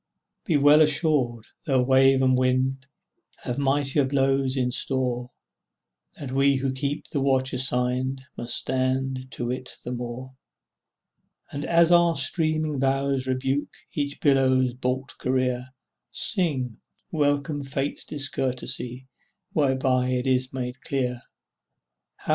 Be well assured, though wave and wind Have weightier blows in store, That we who keep the watch assigned Must stand to it the more; And as our streaming bows rebuke Each billow's baulked career, Sing, welcome Fate's discourtesy Whereby it is made clear, etc.